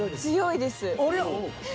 強いです。